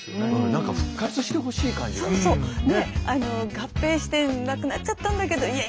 合併してなくなっちゃったんだけどいや